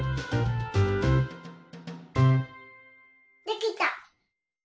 できた。